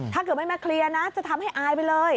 ถ้าเกิดไม่มาเคลียร์นะจะทำให้อายไปเลย